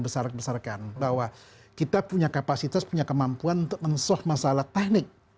terlalu membesarkan bahwa kita punya kapasitas punya kemampuan untuk mensolah masalah teknik